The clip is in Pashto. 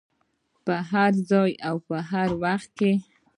په هر ځای او هر وخت کې.